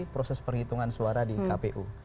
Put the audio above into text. proses perhitungan suara di kpu